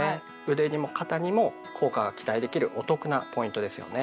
腕にも肩にも効果が期待できるお得なポイントですよね。